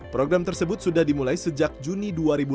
program tersebut sudah dimulai sejak juni dua ribu dua puluh